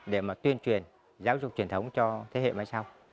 để mà tuyên truyền giáo dục truyền thống cho thế hệ mai sau